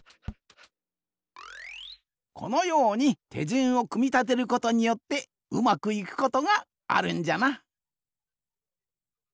このようにてじゅんをくみたてることによってうまくいくことがあるんじゃな。